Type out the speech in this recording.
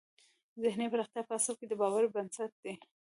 ذهني پراختیا په اصل کې د باور بنسټ دی